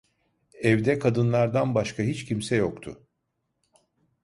Evde kadınlardan başka hiç kimse yoktu.